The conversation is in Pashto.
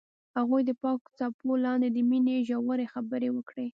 هغوی د پاک څپو لاندې د مینې ژورې خبرې وکړې.